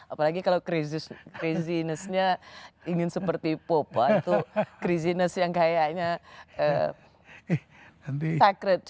apalagi kalau crazinessnya ingin seperti pope itu craziness yang kayaknya sacred